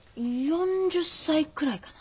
４０歳くらいかな。